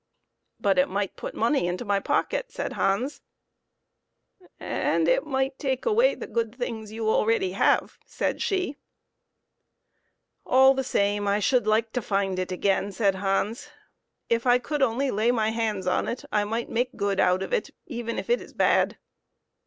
" But it might put money into my pocket," said Hans. " And it might take away the good things that you already have," said she. HANS HECKLEMANN'S LUCK. "All the same, I should like to find it again," said Hans; "if I could only lay my hands on it I might make good out of it, even if it is bad."